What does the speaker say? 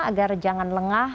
agar jangan lengah